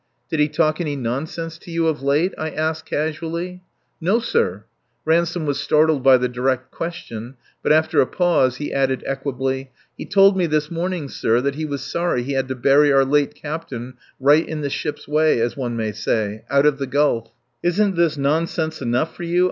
"Did he talk any nonsense to you of late?" I asked casually. "No, sir." Ransome was startled by the direct question; but, after a pause, he added equably: "He told me this morning, sir, that he was sorry he had to bury our late captain right in the ship's way, as one may say, out of the Gulf." "Isn't this nonsense enough for you?"